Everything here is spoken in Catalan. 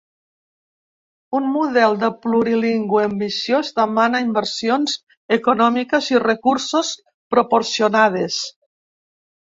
Un model de plurilingüe ambiciós demana inversions econòmiques i recursos proporcionades.